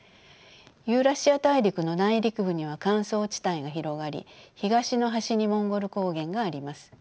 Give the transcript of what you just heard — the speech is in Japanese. ユーラシア大陸の内陸部には乾燥地帯が広がり東の端にモンゴル高原があります。